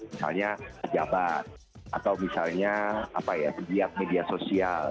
misalnya jabat atau misalnya apa ya di media sosial